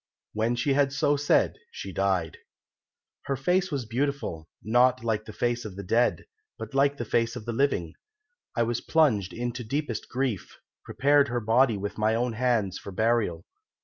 When she had so said she died. "Her face was beautiful, not like the face of the dead, but like the face of the living. I was plunged into deepest grief, prepared her body with my own hands for burial.